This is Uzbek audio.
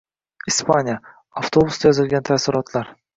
Ispaniya: avtobusda yozilgan taassurotlar